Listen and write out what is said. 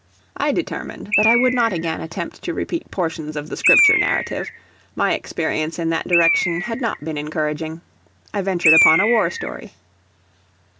I determined that I would not again attempt to repeat portions of the Scripture narrative my experience in that direction had not been encouraging. I ventured upon a war story.